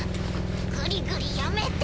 グリグリやめて。